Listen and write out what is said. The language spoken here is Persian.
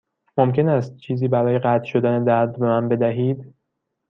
ممکن است چیزی برای قطع شدن درد به من بدهید؟